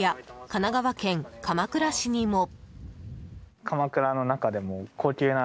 神奈川県鎌倉市にも。